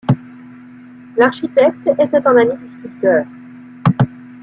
L'architecte était un ami du sculpteur.